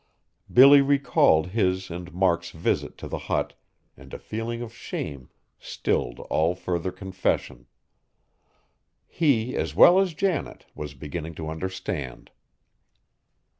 Billy recalled his and Mark's visit to the hut, and a feeling of shame stilled all further confession. He, as well as Janet, was beginning to understand.